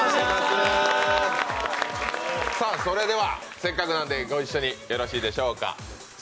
せっかくなんでご一緒によろしいでしょうか。